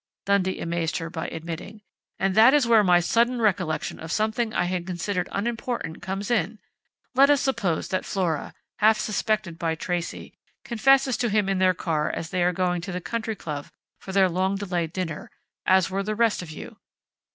_" Dundee amazed her by admitting. "And that is where my sudden recollection of something I had considered unimportant comes in! Let us suppose that Flora, half suspected by Tracey, confesses to him in their car as they are going to the Country Club for their long delayed dinner, as were the rest of you.